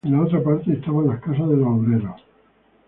En la otra parte estaban las casas de los obreros.